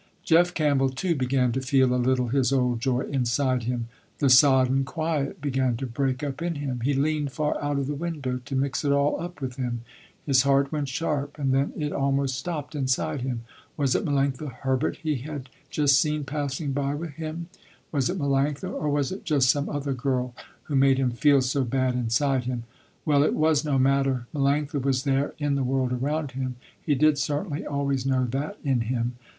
Jeff Campbell too began to feel a little his old joy inside him. The sodden quiet began to break up in him. He leaned far out of the window to mix it all up with him. His heart went sharp and then it almost stopped inside him. Was it Melanctha Herbert he had just seen passing by him? Was it Melanctha, or was it just some other girl, who made him feel so bad inside him? Well, it was no matter, Melanctha was there in the world around him, he did certainly always know that in him.